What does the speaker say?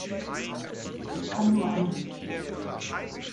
Es kann nur einen geben!